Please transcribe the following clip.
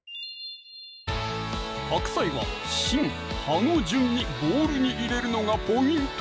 白菜は芯・葉の順にボウルに入れるのがポイント！